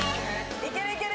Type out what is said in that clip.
いけるいける。